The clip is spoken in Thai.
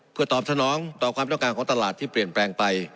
เพื่อตอบสนองต่อความต้องการของตลาดที่เปลี่ยนแปลงไป